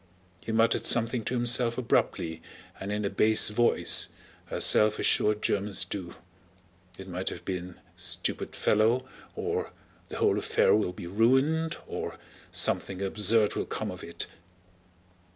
He muttered something to himself abruptly and in a bass voice, as self assured Germans do—it might have been "stupid fellow"... or "the whole affair will be ruined," or "something absurd will come of it."...